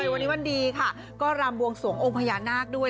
วันนี้วันดีค่ะก็รำบวงสวงองค์พญานาคด้วย